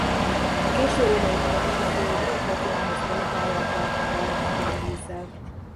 A késő római korban a folyó Diocletianus palotáját látta el ivóvízzel.